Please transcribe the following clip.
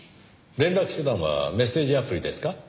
連絡手段はメッセージアプリですか？